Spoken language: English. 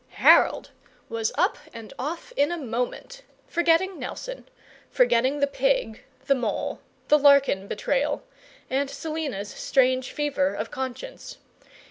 Harold was up and off in a moment, forgetting Nelson, forgetting the pig, the mole, the Larkin betrayal, and Selina's strange fever of conscience.